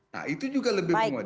nah itu juga lebih mudah